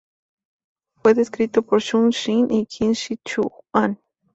Fue descrito por Xu Xing y Qin Zi-Chuan.